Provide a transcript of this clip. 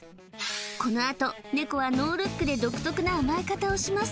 このあとネコはノールックで独特な甘え方をします